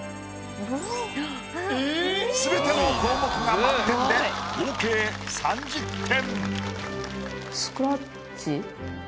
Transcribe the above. すべての項目が満点で合計３０点。